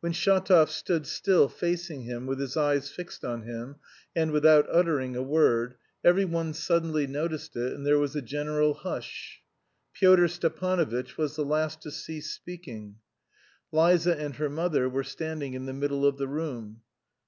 When Shatov stood still facing him with his eyes fixed on him, and without uttering a word, every one suddenly noticed it and there was a general hush; Pyotr Stepanovitch was the last to cease speaking. Liza and her mother were standing in the middle of the room.